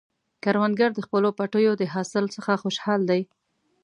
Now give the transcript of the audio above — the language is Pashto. کروندګر د خپلو پټیو د حاصل څخه خوشحال دی